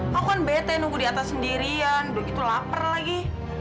aku kan bete nunggu di atas sendirian udah gitu lapar lagi